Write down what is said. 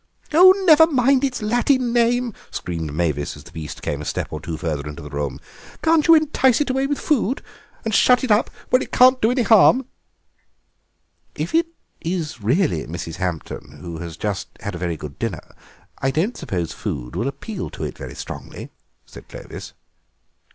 "Oh, never mind its Latin name," screamed Mavis, as the beast came a step or two further into the room; "can't you entice it away with food, and shut it up where it can't do any harm?" "If it is really Mrs. Hampton, who has just had a very good dinner, I don't suppose food will appeal to it very strongly," said Clovis.